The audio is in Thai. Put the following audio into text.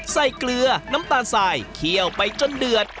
เกลือน้ำตาลสายเคี่ยวไปจนเดือด